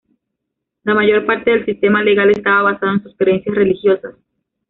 La mayor parte del sistema legal estaba basado en sus creencias religiosas.